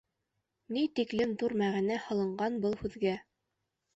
Ни тиклем ҙур мәғәнә һалынған был һүҙгә.